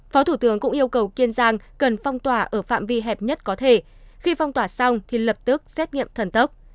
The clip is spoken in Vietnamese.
phó thủ tướng cũng yêu cầu kiên giang cần phong tỏa ở phạm vi hẹp nhất có thể khi phong tỏa xong thì lập tức xét nghiệm thần tốc